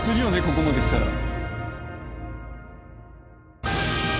ここまで来たら。